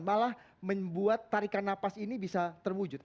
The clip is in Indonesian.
malah membuat tarikan napas ini bisa terwujud